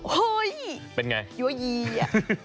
เฮ้ยยยยยแย๋ยยย